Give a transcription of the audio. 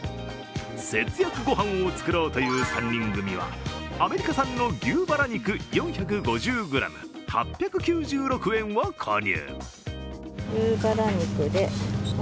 節約ご飯を作ろうという３人組はアメリカ産の牛バラ肉４５０ｇ、８９６円を購入。